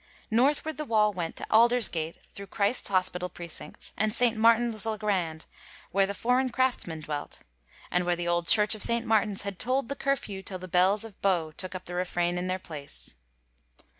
Northward the wall went to Aldersgate thru Christ's Hospital precincts and St. Martin's le Grand where the foreign craftsmen dwelt, and where the old church of St. Martin's had toUd the curfew till the bells of Bow took up the refrain in their place.